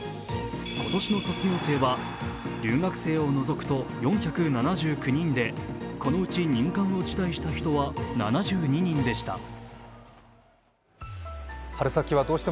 今年の卒業生は留学生を除くと４７９人で、このうち任官を辞退した人は７２人でした。